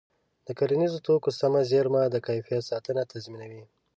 د کرنیزو توکو سمه زېرمه د کیفیت ساتنه تضمینوي.